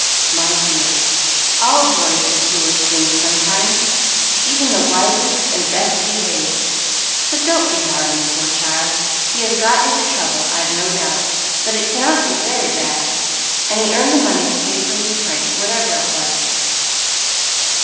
"My dear, all boys do foolish things sometimes, even the wisest and best behaved, so don't be hard on the poor child. He has got into trouble, I've no doubt, but it cannot be very bad, and he earned the money to pay for his prank, whatever it was."